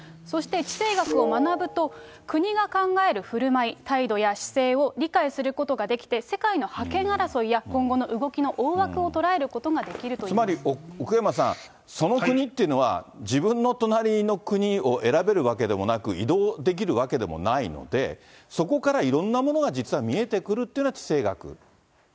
そして地政学を学ぶと、国が考えるふるまい、態度や姿勢を理解することができて、世界の覇権争いや今後の動きの大枠を捉えることができるといいまつまり奥山さん、その国っていうのは、自分の隣の国を選べるわけでもなく、移動できるわけでもないので、そこからいろんなものが実は見えてくるっていうのが地政学？